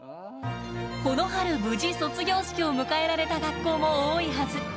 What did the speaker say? この春、無事卒業式を迎えられた学校も多いはず。